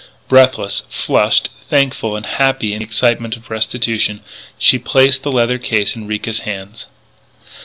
Breathless, flushed, thankful and happy in the excitement of restitution, she placed the leather case in Ricca's hands.